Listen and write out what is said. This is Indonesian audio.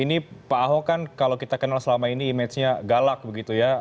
ini pak ahok kan kalau kita kenal selama ini image nya galak begitu ya